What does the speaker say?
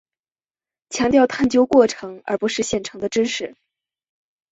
强调探究过程而不是现成的知识。